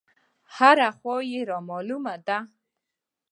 هره خوا يې رامالومه ده.